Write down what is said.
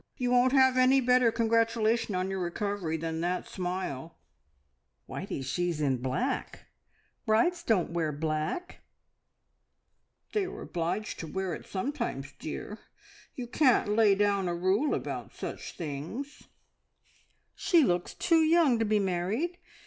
You won't have any better congratulation on your recovery than that smile!" "Whitey, she is in black! Brides don't wear black." "They are obliged to wear it sometimes, dear. You can't lay down a rule about such things." "She looks too young to be married.